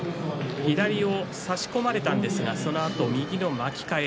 左を差し込まれたんですがそのあと右の巻き替え